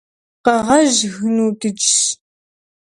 Къэгъэжь гыну дыджщ.